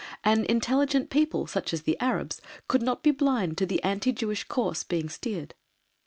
An intelligent people, such as the Arabs, could not be blind to the anti Jewish course being steered.